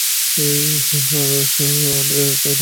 আমরা আর এটা হতে দিব না।